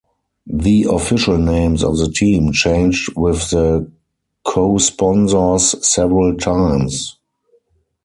The official names of the team changed with the cosponsors several times.